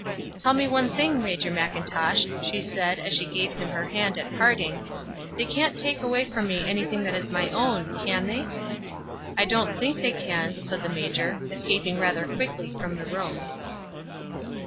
"Tell me one thing, Major Mackintosh," she said, as she gave him her hand at parting, "they can't take away from me anything that is my own; can they?" "I don't think they can," said the major, escaping rather quickly from the room.